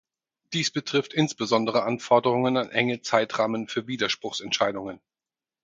Dies betrifft insbesondere Anforderungen an enge Zeitrahmen für Widerspruchsentscheidungen.